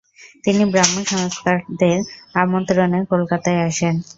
তিনি ব্রাহ্ম সংস্কারকদের আমন্ত্রনে কলকাতায় আসেন।